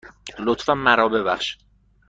لطفاً من را ببخش.